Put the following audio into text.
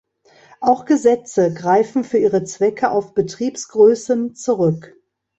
Auch Gesetze greifen für ihre Zwecke auf Betriebsgrößen zurück.